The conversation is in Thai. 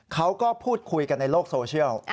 เขาก็พูดคุยกันในโลกโซเชียล